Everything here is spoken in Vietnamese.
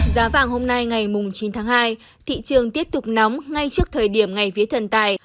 giá vàng hôm nay ngày chín tháng hai thị trường tiếp tục nóng ngay trước thời điểm ngày vía thần tài